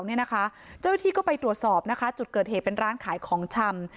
เจ้าหน้าที่ก็ไปตรวจสอบนะคะจุดเกิดเหตุเป็นร้านขายของชำ